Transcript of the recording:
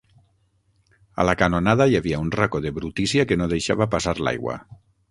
A la canonada hi havia un racó de brutícia que no deixava passar l'aigua.